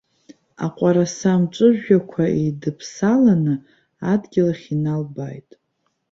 Аҟәараса амҵәыжәҩақәа еидыԥсаланы адгьыл ахь иналбааит.